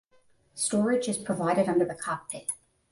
Storage is provided under the cockpit.